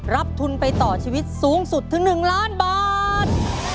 รับทุนไปต่อชีวิตสูงสุดถึง๑ล้านบาท